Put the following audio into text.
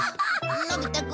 のび太くん